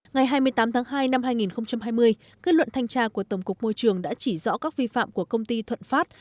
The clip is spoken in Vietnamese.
ngày hai mươi tám tháng hai năm hai nghìn hai mươi kết luận thanh tra của tổng cục môi trường đã chỉ rõ các vi phạm của công ty thuận phát